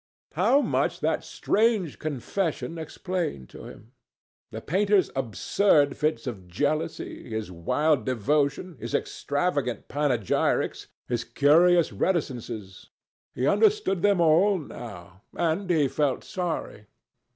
How much that strange confession explained to him! The painter's absurd fits of jealousy, his wild devotion, his extravagant panegyrics, his curious reticences—he understood them all now, and he felt sorry.